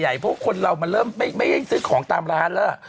เพราะคนเรามันเริ่มไม่ให้ซื้อของตามร้านแล้ว